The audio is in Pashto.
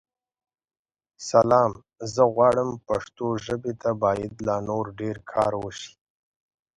سلام؛ زه غواړم پښتو ژابې ته بايد لا نور ډير کار وشې.